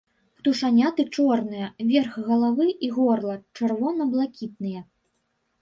Птушаняты чорныя, верх галавы і горла чырвона-блакітныя.